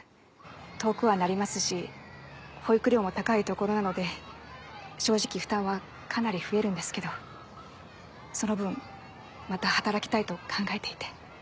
遠くはなりますし保育料も高い所なので正直負担はかなり増えるんですけどその分また働きたいと考えていて。